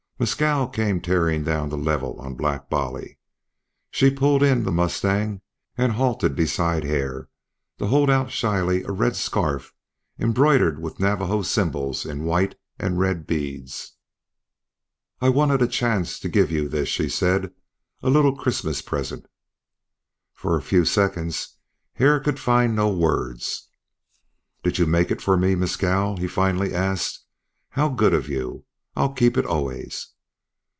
Mescal came tearing down the level on Black Bolly. She pulled in the mustang and halted beside Hare to hold out shyly a red scarf embroidered with Navajo symbols in white and red beads. "I've wanted a chance to give you this," she said, "a little Christmas present." For a few seconds Hare could find no words. "Did you make it for me, Mescal?" he finally asked. "How good of you! I'll keep it always."